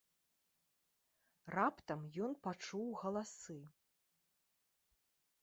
Раптам ён пачуў галасы.